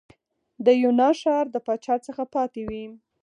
د یونا ښار د پاچا څخه پاتې وې.